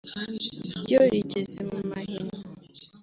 ryo rigeze mu mahina